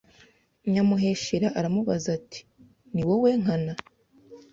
Nyamuheshera aramubaza ati ni wowe Ñkana